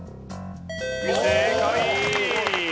正解！